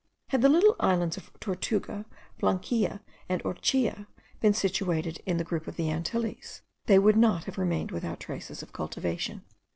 Had the little islands of Tortuga, Blanquilla, and Orchilla been situated in the group of the Antilles, they would not have remained without traces of cultivation.